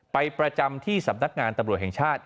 ประจำที่สำนักงานตำรวจแห่งชาติ